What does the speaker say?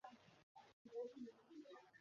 সে জিজ্ঞাসা করিল, ব্যাপারখানা কী হে?